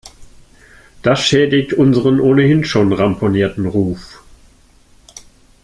Das schädigt unseren ohnehin schon ramponierten Ruf.